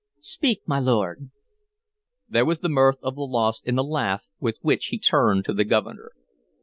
Speak, my lord." There was the mirth of the lost in the laugh with which he turned to the Governor.